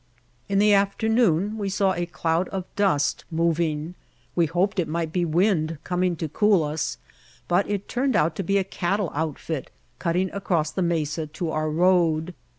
In the afternoon we saw a cloud of dust mov ing. We hoped it might be wind coming to cool us, but it turned out to be a cattle outfit cutting across the mesa to our road.